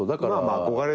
憧れ。